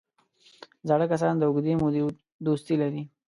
زاړه کسان د اوږدې مودې دوستي لري